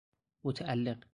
متعلق